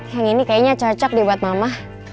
yang ini kayaknya cocok nih buat mama